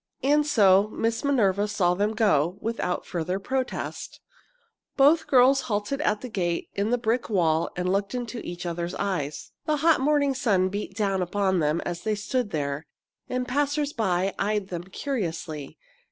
And so Miss Minerva saw them go, without further protest. They both halted at the gate in the brick wall and looked into each other's eyes. The hot morning sun beat down upon them as they stood there, and passers by eyed them curiously.